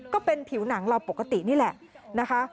ก็เป็นผิวหนังปกตินี่แหละ